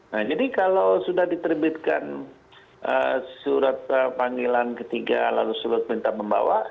nah jadi kalau sudah diterbitkan surat panggilan ketiga lalu surat perintah membawa